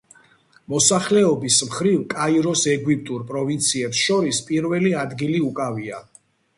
მოსახლეობის მხრივ კაიროს ეგვიპტურ პროვინციებს შორის პირველი ადგილი უკავია.